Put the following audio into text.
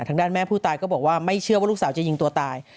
ทางด้านแม่ผู้ตายก็บอกว่าไม่เชื่อว่าลูกสาวจะยิงตัวตาย